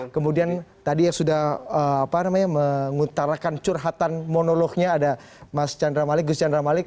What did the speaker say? kemudian tadi yang sudah mengutarakan curhatan monolognya ada mas chandra malik gus chandra malik